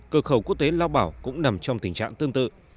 cơ khẩu quốc tế lao bảo cũng nằm trong tình trạng tương tự